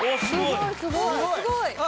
すごいすごい。